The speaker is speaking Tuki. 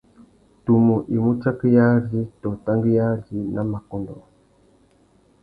Tumu i mú tsakéyari tô tanguéyari nà makôndõ.